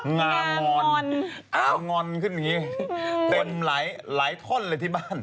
งามอนเอางอนขึ้นอย่างนี้เต็มหลายท่อนเลยที่บ้าน